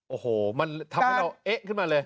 โอ้โหมันทำให้เราเอ๊ะขึ้นมาเลย